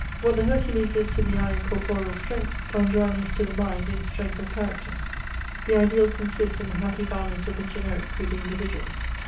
What the Hercules is to the eye in corporeal strength, Don Juan is to the mind in strength of character. The ideal consists in the happy balance of the generic with the individual.